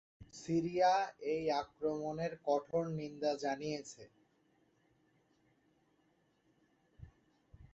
Syria এই আক্রমণের কঠোর নিন্দা জানিয়েছে।